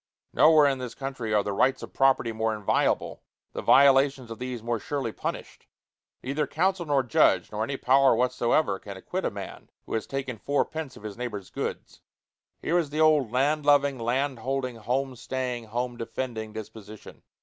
Nowhere in this country are the rights of property more inviolable, the violations of these more surely punished: neither counsel nor judge nor any power whatsoever can acquit a man who has taken fourpence of his neighbor's goods. Here is the old land loving, land holding, home staying, home defending disposition.